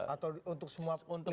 atau untuk semua lintas praksi